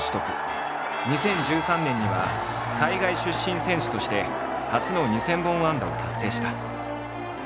２０１３年には海外出身選手として初の２，０００本安打を達成した。